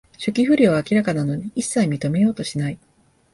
初期不良は明らかなのに、いっさい認めようとしない